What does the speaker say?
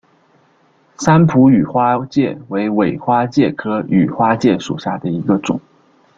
三浦羽花介为尾花介科羽花介属下的一个种。